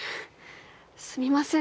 すみません